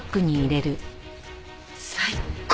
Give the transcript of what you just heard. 最高！